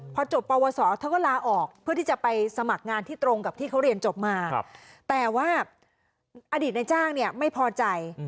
พอจบปวสอเธอก็ลาออกเพื่อที่จะไปสมัครงานที่ตรงกับที่เขาเรียนจบมาแต่ว่าอดีตในจ้างเนี่ยไม่พอใจ